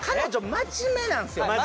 真面目なんすよ